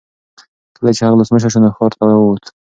کله چې هغه ولسمشر شو نو ښار ته وووت.